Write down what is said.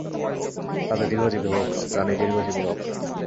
রাজা দীর্ঘজীবী হোক, রাণী দীর্ঘজীবী হোক।